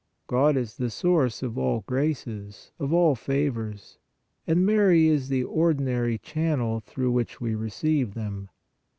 God is the source of all graces, of all favors, and Mary is the ordinary channel through which we receive them.